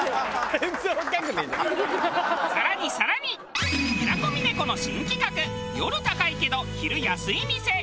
更に更に平子峰子の新企画夜高いけど昼安い店。